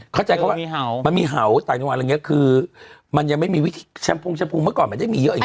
เข้าใจเขาว่ามันมีเห่าแต่อย่างนี้คือมันยังไม่มีวิธีแชมพูแชมพูเมื่อก่อนมันจะมีเยอะอย่างงี้